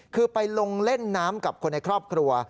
คือไปลงเล่นน้ำกับคนในครอบครัว